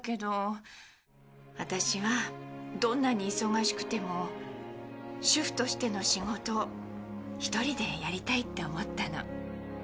ワタシはどんなに忙しくても主婦としての仕事を一人でやりたいって思ったの。